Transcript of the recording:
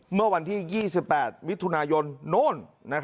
เมื่อวันที่๒๘มิถุนายนโน่น